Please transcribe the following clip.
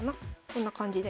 こんな感じで。